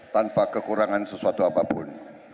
tanpa kekurangan sesuatu apapun